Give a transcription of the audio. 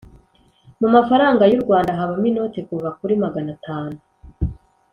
Mumafaranga yurwanda habamo inote kuva kuri magana atanu